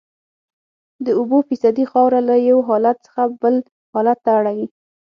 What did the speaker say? د اوبو فیصدي خاوره له یو حالت څخه بل حالت ته اړوي